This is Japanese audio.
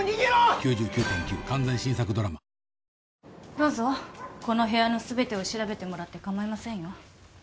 どうぞこの部屋の全てを調べてもらってかまいませんよ